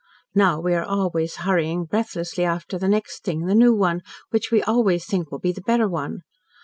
Now we are always hurrying breathlessly after the next thing the new one which we always think will be the better one.